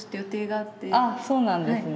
あっそうなんですね。